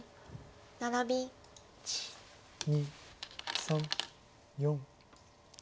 １２３４。